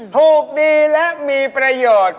ถูกดีและมีประโยชน์